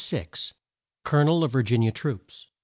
COL O NEL OF VIR GIN I A TROOPS.